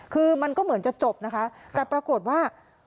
คือมันก็เหมือนจะจบนะคะแต่ปรากฏว่า